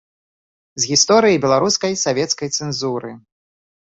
З гісторыі беларускай савецкай цэнзуры.